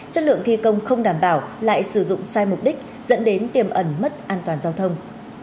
chất lượng thi công không đảm bảo lại sử dụng sai mục đích dẫn đến tiềm ẩn mất an toàn giao thông